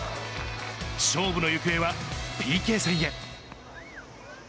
勝負の行方はＰＫ戦へ。